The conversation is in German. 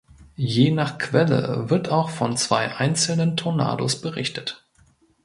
Je nach Quelle wird auch von zwei einzelnen Tornados berichtet.